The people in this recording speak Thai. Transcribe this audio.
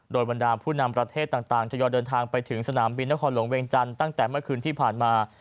โดยบรรดาผู้นำประเทศต่างทยอยเดินทางไปถึงสนามบินนครหลวงเวงจันทร์ตั้งแต่เมื่อคืนที่ผ่านมา